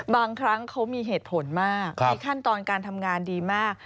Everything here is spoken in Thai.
บางครั้งเขามีเหตุผลมากมีขั้นตอนการทำงานดีมาก